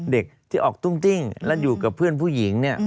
เด็กที่ออกตุ้งติ้งและอยู่กับเพื่อนผู้หญิงเนี่ย